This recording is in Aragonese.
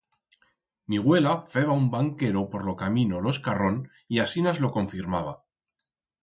Mi güela feba un banquero por lo camino lo Escarrón y asinas lo confirmaba.